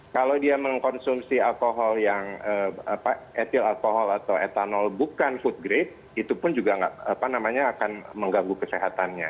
kalau dia mengkonsumsi alkohol yang etil alkohol atau etanol bukan food grade itu pun juga akan mengganggu kesehatannya